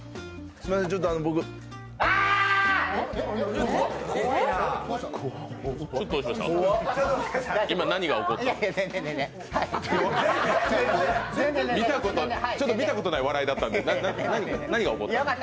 いやいやいやちょっと見たことない笑いだった、何が起こった？